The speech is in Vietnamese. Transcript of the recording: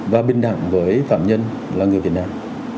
và bình đẳng với phạm nhân là người việt nam